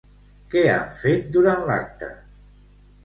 Què han fet durant l'acte?